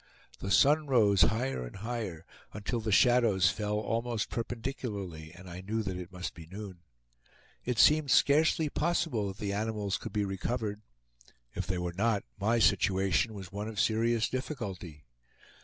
The sun rose higher and higher, until the shadows fell almost perpendicularly, and I knew that it must be noon. It seemed scarcely possible that the animals could be recovered. If they were not, my situation was one of serious difficulty.